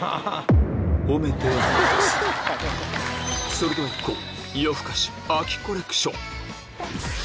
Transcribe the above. それではいこう！